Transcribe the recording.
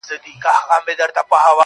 په جال کې هم لټېږي له ماهي د سمندر بوی